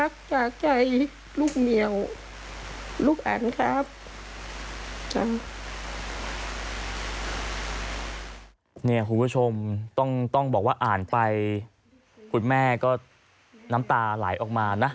คุณผู้ชมต้องบอกว่าอ่านไปคุณแม่ก็น้ำตาไหลออกมานะ